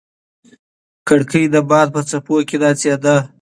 کړکۍ د باد په څپو کې ناڅېده.